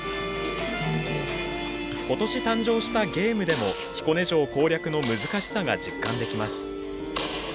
ことし誕生したゲームでも彦根城攻略の難しさが実感できます。